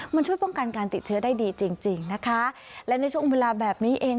มันช่วยป้องกันการติดเชื้อได้ดีจริงจริงนะคะและในช่วงเวลาแบบนี้เอง